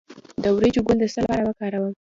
د وریجو ګل د څه لپاره وکاروم؟